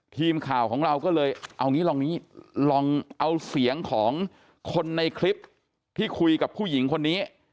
ทีมข่าวของเราก็เลยเอางี้ลองเอาเสียงของคนในคลิปที่คุยกับผู้หญิงคนนี้